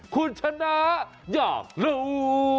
คุณชนะอยากรู้